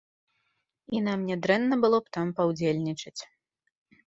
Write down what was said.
І нам нядрэнна было б там паўдзельнічаць.